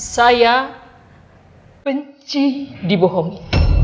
saya benci dibohongi